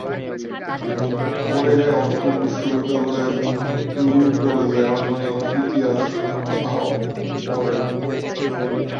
পরে তিনি অক্সফোর্ড বিশ্ববিদ্যালয়ের নিউ কলেজে আধুনিক ইতিহাস অধ্যয়ন করেন।